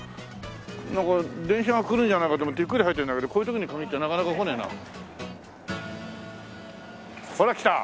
なんか電車が来るんじゃないかと思ってゆっくり入ってるんだけどこういう時に限ってなかなか来ねえな。ほら来た！